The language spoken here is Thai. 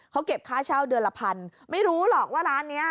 เขาเก็บค่าเช่าเดือนละพันไม่รู้หรอกว่าร้านนี้